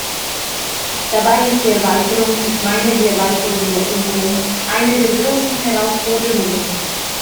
Dabei ist die Erweiterung, ich meine die Erweiterung der Union, eine der großen Herausforderungen.